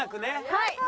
はい！